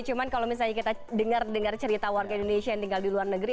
cuma kalau misalnya kita dengar dengar cerita warga indonesia yang tinggal di luar negeri